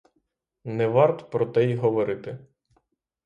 Не варт про те й говорити.